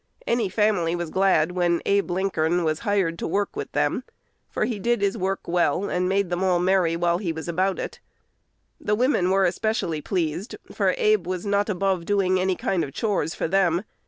Any family was glad when "Abe Linkern" was hired to work with them; for he did his work well, and made them all merry while he was about it. The women were especially pleased, for Abe was not above doing any kind of "chores" for them.